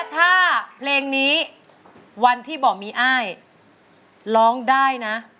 ถ้าเพลงนี้วันที่บอกมีอ้ายร้องได้นะ